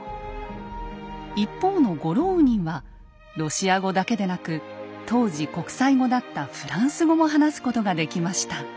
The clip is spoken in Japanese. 一方のゴローウニンはロシア語だけでなく当時国際語だったフランス語も話すことができました。